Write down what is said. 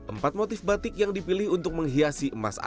empat motif batik yang dipilih untuk menghiasi emas